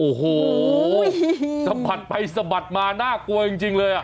โอ้โหสะบัดไปสะบัดมาน่ากลัวจริงเลย